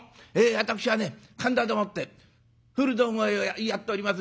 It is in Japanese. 私はね神田でもって古道具屋をやっております